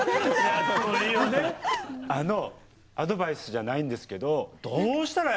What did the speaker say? アドバイスじゃないんですけどどうしたら？